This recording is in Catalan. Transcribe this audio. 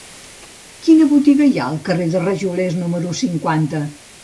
Quina botiga hi ha al carrer dels Rajolers número cinquanta?